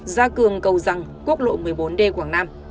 gia cường cầu rằng quốc lộ một mươi bốn d quảng nam